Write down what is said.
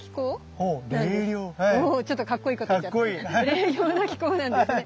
冷涼な気候なんですね。